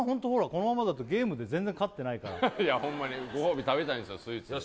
このままだとゲームで全然勝ってないからホンマにご褒美食べたいんですよ